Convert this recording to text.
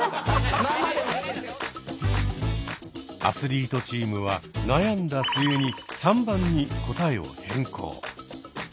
アスリートチームは悩んだ末に３番に答えを変更。